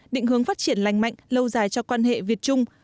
định hướng phát triển lành mạnh lâu dài cho quan hệ việt trung